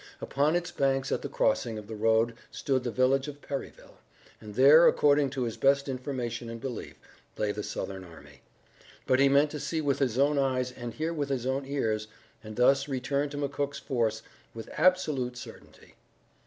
Upon its banks at the crossing of the road stood the village of Perryville, and there, according to his best information and belief, lay the Southern army. But he meant to see with his own eyes and hear with his own ears, and thus return to McCook's force with absolute certainty.